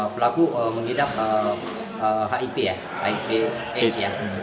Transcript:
pelaku mengidap hiv aids